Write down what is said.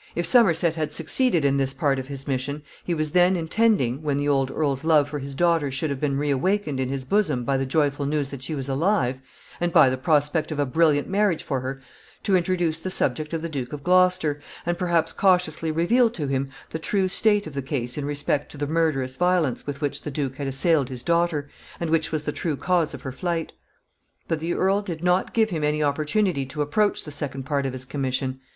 ] If Somerset had succeeded in this part of his mission, he was then intending, when the old earl's love for his daughter should have been reawakened in his bosom by the joyful news that she was alive, and by the prospect of a brilliant marriage for her, to introduce the subject of the Duke of Gloucester, and perhaps cautiously reveal to him the true state of the case in respect to the murderous violence with which the duke had assailed his daughter, and which was the true cause of her flight. But the earl did not give him any opportunity to approach the second part of his commission.